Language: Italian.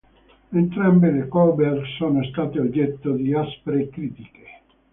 Entrambe le cover sono state oggetto di aspre critiche.